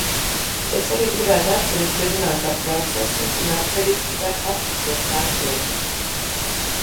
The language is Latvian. Es arī gribētu atsevišķi runāt par procesu un atsevišķi par faktisko saturu.